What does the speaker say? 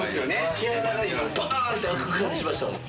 毛穴がバン！って開く感じしましたもん。